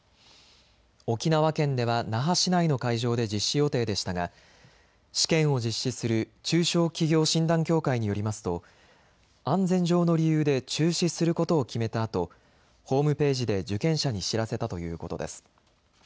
沖縄県では那覇市内の会場で実施予定でしたが試験を実施する中小企業診断協会によりますと安全上の理由で中止することを決めたあとホームページで受験者に知らせたということです。